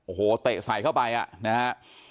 โอ้โหเตะใส่เข้าไปอ่ะนะฮะ